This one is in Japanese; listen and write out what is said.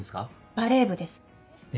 バレー部です。え。